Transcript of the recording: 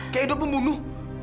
kayak ido pembunuh